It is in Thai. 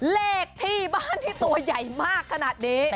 เลขที่บ้านที่ตัวใหญ่มากขนาดนี้